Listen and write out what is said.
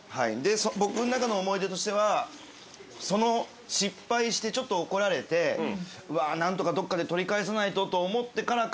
僕の中の思い出としては失敗してちょっと怒られて何とかどっかで取り返さないとと思ってからか。